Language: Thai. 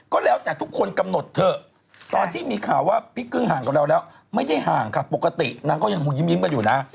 ก็แล้วแต่ทุกคนกำหนดเถอะตอนที่มีข่าวว่าพี่กึ้งห่างกับเราแล้วไม่ได้ห่างค่ะปกตินางก็ยังคงยิ้มกันอยู่นะ